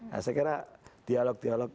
saya kira dialog dialog